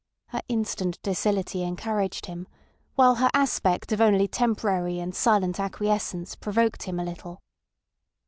Her instant docility encouraged him, whilst her aspect of only temporary and silent acquiescence provoked him a little.